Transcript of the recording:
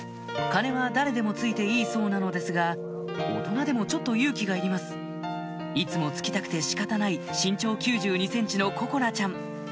鐘は誰でも突いていいそうなのですが大人でもちょっと勇気がいりますいつも突きたくて仕方ない身長９２ｃｍの心菜ちゃん